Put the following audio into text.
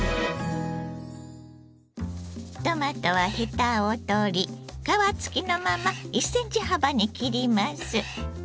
トマトはヘタを取り皮つきのまま１センチ幅に切ります。